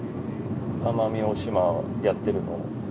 奄美大島をやってるのを。